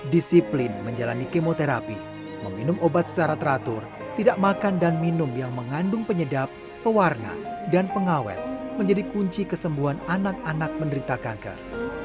disiplin menjalani kemoterapi meminum obat secara teratur tidak makan dan minum yang mengandung penyedap pewarna dan pengawet menjadi kunci kesembuhan anak anak menderita kanker